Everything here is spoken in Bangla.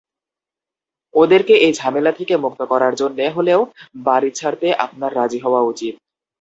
ওদেরকে এই ঝামেলা থেকে মুক্ত করার জন্যে হলেও বাড়ি ছাড়তে আপনার রাজি হওয়া উচিত।